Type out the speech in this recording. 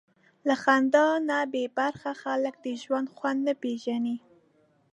له خندا نه بېبرخې خلک د ژوند خوند نه پېژني.